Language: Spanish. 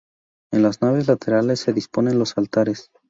En las naves laterales se disponen los altares.